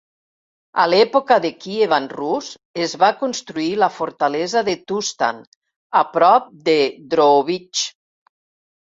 A l'època de Kievan Rus, es va construir la fortalesa de Tustan a prop de Drohobych.